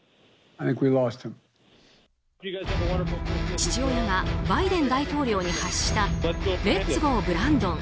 父親がバイデン大統領に発したレッツゴー・ブランドン。